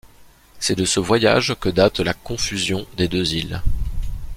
C’est de ce voyage que date la confusion des deux îles.